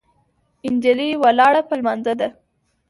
جلکۍ ویلوړه په لمونځه ده